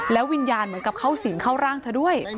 วิญญาณเหมือนกับเข้าสิงเข้าร่างเธอด้วย